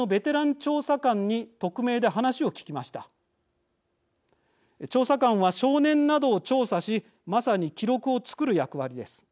調査官は少年などを調査しまさに記録を作る役割です。